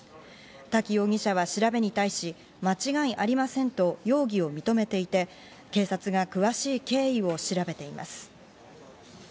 滝容疑者は調べに対し、間違いありませんと容疑を認めていて、警察が詳しい経緯を調べています。